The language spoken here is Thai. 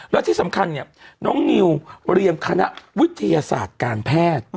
แล้วที่สำคัญเนี่ยน้องนิวเรียนคณะวิทยาศาสตร์การแพทย์